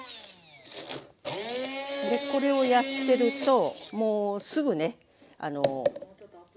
これをやってるともうすぐね。